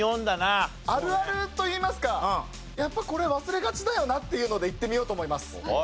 あるあるといいますかやっぱこれ忘れがちだよなっていうのでいってみようと思います。